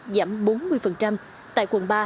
giảm bốn mươi tại quần ba